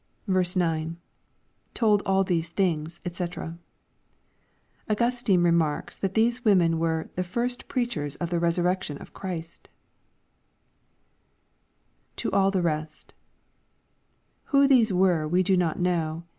LUKE, CHAP. XXIV. 497 ■? 9. — [Tbld all these things^ &c,'\ Augustine remarks that these women were " the first preachers of the resurrection of Christ" [To all the rest.l Who these were we do not know.